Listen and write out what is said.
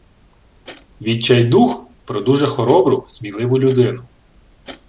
Відчайдух – про дуже хоробру, сміливу людину.